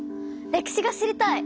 歴史が知りたい！